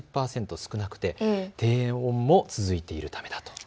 少なく低温も続いているためだと。